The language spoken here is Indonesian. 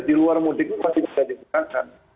di luar mudik itu pasti terjadi perangkan